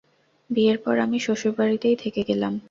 বিয়ের পর আমি শ্বশুরবাড়িতেই থেকে গেলাম।